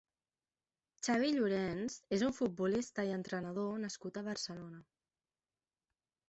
Xavi Llorens és un futbolista i entrenador nascut a Barcelona.